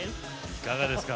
いかがですか？